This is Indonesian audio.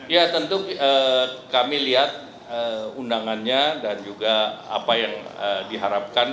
ya tentu kami lihat undangannya dan juga apa yang diharapkan